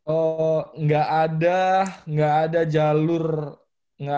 oh gak ada gak ada jalur basket gitu